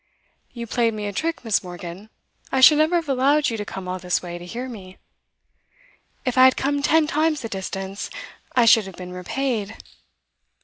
'You played me a trick, Miss. Morgan. I should never have allowed you to come all this way to hear me.' 'If I had come ten times the distance, I should have been repaid!